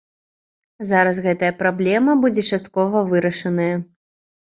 Зараз гэтая праблема будзе часткова вырашаная.